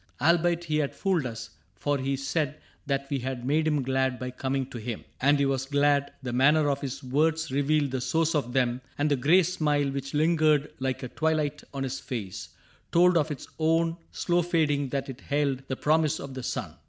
Albeit he had fooled us, — for he said That we had made him glad by coming to him. And he was glad : the manner of his words Revealed the source of them ; and the gray smile Which lingered like a twilight on his face Told of its own slow fading that it held The promise of the sun.